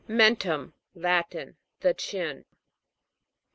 MEN'TUM. Latin. The chin.